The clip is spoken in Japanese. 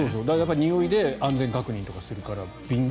においで安全確認とかするから敏感。